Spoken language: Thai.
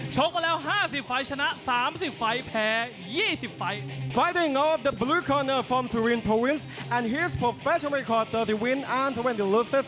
มาแล้ว๕๐ไฟล์ชนะ๓๐ไฟล์แพ้๒๐ไฟล์